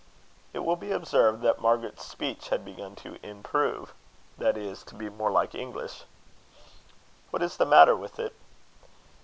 It will be observed that Margaret's speech had begun to improve, that is, to be more like English. "What is the matter with it?"